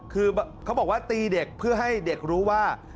คือเขาบอกว่าตีเด็กเพื่อให้เด็กรู้ว่า